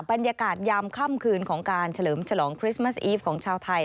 ยามค่ำคืนของการเฉลิมฉลองคริสต์มัสอีฟของชาวไทย